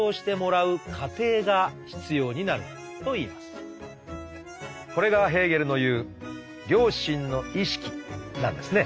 そこでヘーゲルはこれがヘーゲルの言う「良心」の意識なんですね。